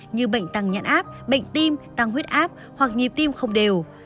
như bệnh tăng nhãn áp bệnh tim tăng huyết áp hoặc nhịp tim không đều